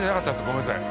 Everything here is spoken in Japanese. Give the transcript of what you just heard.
ごめんなさい。